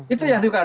itu yang dikatakan